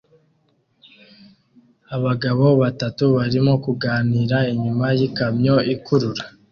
Abagabo batatu barimo kuganira inyuma yikamyo ikurura